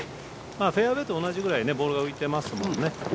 フェアウエーと同じぐらいボールが浮いてますもんね。